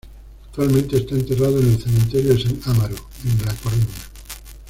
Actualmente está enterrado en el cementerio de San Amaro, en La Coruña.